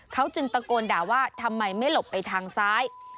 เขาจึงตะโกนด่าว่าทำไมไม่หลบไปทางซ้าย